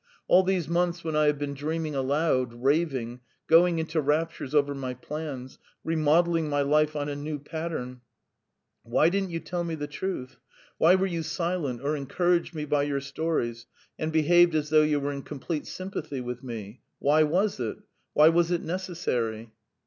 "All these months when I have been dreaming aloud, raving, going into raptures over my plans, remodelling my life on a new pattern, why didn't you tell me the truth? Why were you silent or encouraged me by your stories, and behaved as though you were in complete sympathy with me? Why was it? Why was it necessary?"